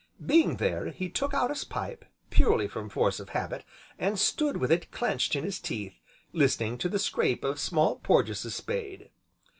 Being there, he took out his pipe, purely from force of habit, and stood with it clenched in his teeth, listening to the scrape of Small Porges' spade.